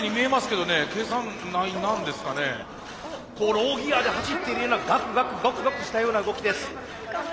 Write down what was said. ローギヤで走っているようなガクガクガクガクしたような動きです。